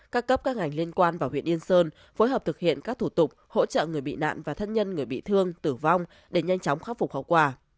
các cấp các ngành liên quan vào huyện yên sơn phối hợp thực hiện các thủ tục hỗ trợ người bị nạn và thân nhân người bị thương tử vong để nhanh chóng khắc phục hậu quả